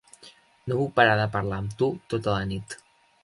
No puc parar de parlar amb tu tota la nit.